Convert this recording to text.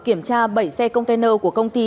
kiểm tra bảy xe container của công ty